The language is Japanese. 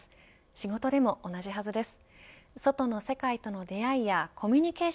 仕事でも同じはずです。